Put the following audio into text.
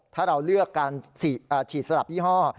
ถ้าเราเลือกการฉีดสลับยี่ห้อ